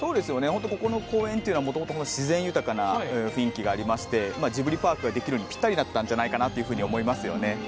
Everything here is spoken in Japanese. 本当にここの公園っていうのは自然豊かな雰囲気がありましてジブリパークができるのにぴったりなんじゃないかと思います。